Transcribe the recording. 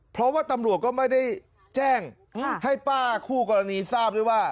เพราะว่าตำรวจก็ไม่ได้แจ้งให้ป้าคู่กรณีทราบด้วยว่า